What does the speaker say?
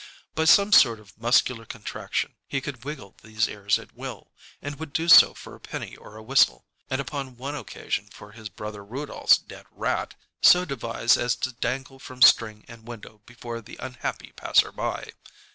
By some sort of muscular contraction he could wiggle these ears at will, and would do so for a penny or a whistle, and upon one occasion for his brother Rudolph's dead rat, so devised as to dangle from string and window before the unhappy passer by.